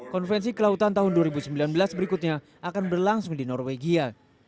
konvensi kelautan tahun dua ribu sembilan belas berikutnya akan berlangsung di norwegia